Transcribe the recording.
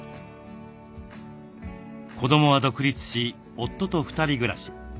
子どもは独立し夫と２人暮らし。